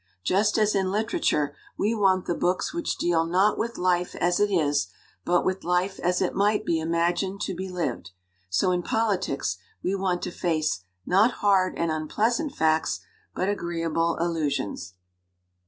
Just as in literature we want the books which deal not with life as it is, but with life as it might be imagined to be lived, so in politics we want to face not hard and unpleas ant facts, but agreeable illusions.